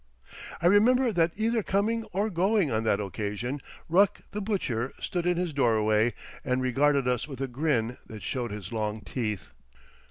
I remember that either coming or going on that occasion, Ruck, the butcher, stood in his doorway and regarded us with a grin that showed his long teeth.